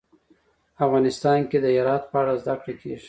افغانستان کې د هرات په اړه زده کړه کېږي.